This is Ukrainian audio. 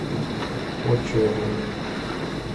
От що я думаю.